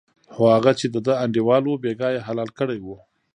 خو هغه چې دده انډیوال و بېګا یې حلال کړی و.